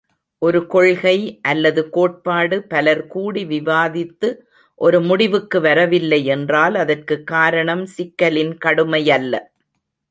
ஒரு கொள்கை அல்லது கோட்பாடு பலர்கூடி விவாதித்து ஒரு முடிவுக்கு வரவில்லையென்றால் அதற்குக் காரணம் சிக்கலின் கடுமையல்ல.